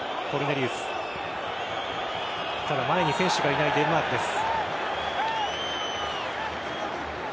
前に選手がいないデンマークです。